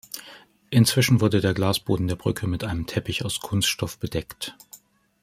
Inzwischen wurde der Glasboden der Brücke mit einem Teppich aus Kunststoff bedeckt.